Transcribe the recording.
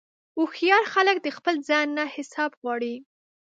هوښیار خلک د خپل ځان نه حساب غواړي.